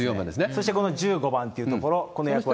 そしてこの１５番というところ、この役割。